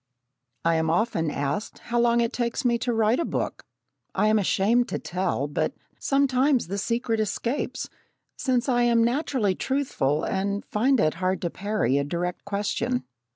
I am often asked how long it takes me to write a book. I am ashamed to tell, but sometimes the secret escapes, since I am naturally truthful, and find it hard to parry a direct question.